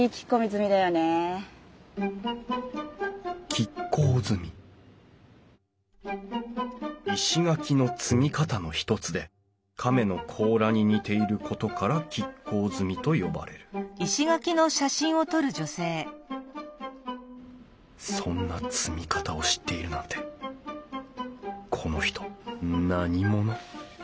亀甲積み石垣の積み方のひとつで亀の甲羅に似ていることから亀甲積みと呼ばれるそんな積み方を知っているなんてこの人何者？